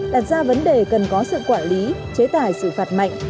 đặt ra vấn đề cần có sự quản lý chế tải sự phạt mạnh